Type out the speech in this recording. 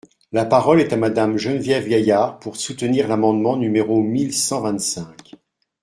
La parole est à Madame Geneviève Gaillard, pour soutenir l’amendement numéro mille cent vingt-cinq.